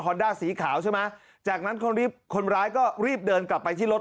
ด้าสีขาวใช่ไหมจากนั้นคนรีบคนร้ายก็รีบเดินกลับไปที่รถ